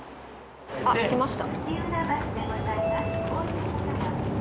あっきました。